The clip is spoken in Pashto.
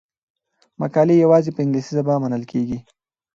مقالې یوازې په انګلیسي ژبه منل کیږي.